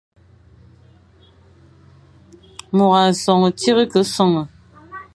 Môr a sonhe, tsir ke sonhe,